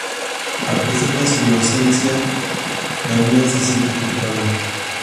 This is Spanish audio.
A pesar de su inocencia, Daniel se siente culpable.